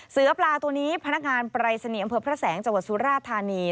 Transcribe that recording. เสือปลาตัวนี้พนักงานปรายศนีย์อำเภอพระแสงจังหวัดสุราธานี